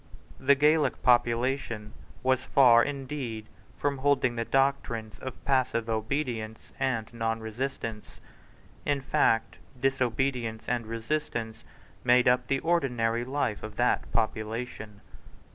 The Gaelic population was far indeed from holding the doctrines of passive obedience and nonresistance. In fact disobedience and resistance made up the ordinary life of that population.